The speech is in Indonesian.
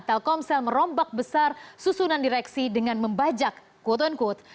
telkomsel merombak besar susunan direksi dengan membajak quote unquote